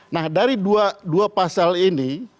nah dari dua pasal ini